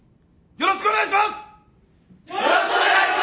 よろしくお願いします。